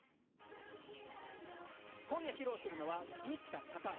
今夜披露するのは、君しか勝たん。